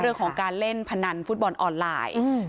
เรื่องของการเล่นพนันฟุตบอลออนไลน์